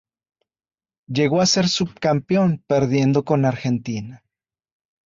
Llegó a ser subcampeón perdiendo con Argentina.